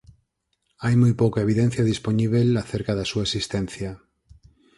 Hai moi pouca evidencia dispoñíbel acerca da súa existencia.